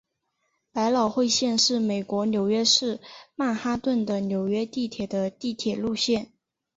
百老汇线是美国纽约市曼哈顿的纽约地铁的地铁路线。